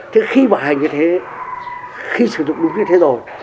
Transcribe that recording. thế khi bảo hành như thế khi sử dụng đúng như thế rồi